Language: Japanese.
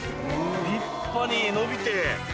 立派に伸びて。